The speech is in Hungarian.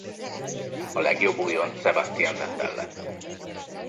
A legjobb újonc Sebastian Vettel lett.